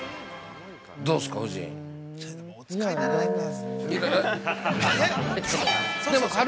◆どうですか、夫人。